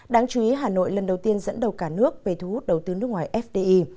đáng chú ý hà nội lần đầu tiên dẫn đầu cả nước về thu hút đầu tư nước ngoài fdi